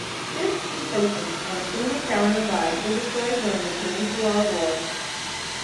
This emplacement and a similar tower nearby were destroyed during the Peninsular War.